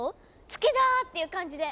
「好きだ！」っていう感じで。